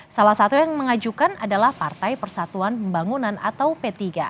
salah satu yang mengajukan adalah partai persatuan pembangunan atau p tiga